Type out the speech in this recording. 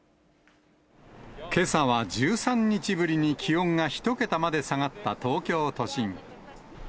けさは１３日ぶりに気温が１桁まで下がった東京都心。